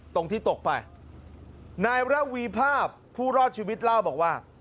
ตรงที่ตกไปนายระวีภาพผู้รอดชีวิตเล่าบอกว่า